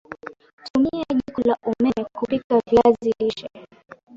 Tumia jiko la umeme kupika viazi lishe